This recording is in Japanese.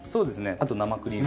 あと生クリーム。